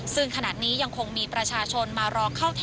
ซึ่งขนาดนี้ยังคงมีประชาชนมารอเข้าแถวนี้นะครับ